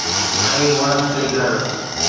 ۽ وڻن تي گھر